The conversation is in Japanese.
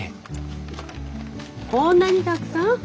こんなにたくさん！